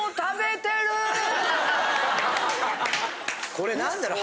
これ何だろう。